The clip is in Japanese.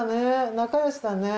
仲よしだね。